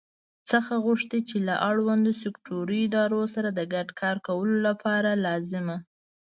څخه غوښتي چې له اړوندو سکټوري ادارو سره د ګډ کار کولو لپاره لازمه